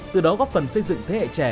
từ đó góp phần xây dựng thế hệ trẻ